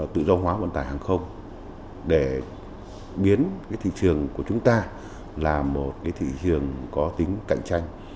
tự do hóa vận tải hàng không để biến thị trường của chúng ta là một thị trường có tính cạnh tranh